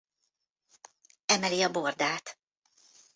Emeli a bordát.